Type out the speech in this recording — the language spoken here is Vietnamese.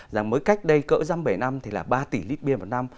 rằng mới cách đây cỡ dăm bể năm thì là ba tỷ lít bia một năm